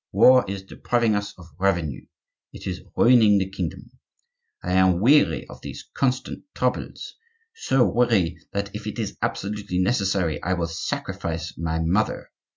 War is depriving us of revenue; it is ruining the kingdom. I am weary of these constant troubles; so weary, that if it is absolutely necessary I will sacrifice my mother.